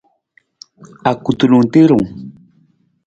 Akutulung tiirung.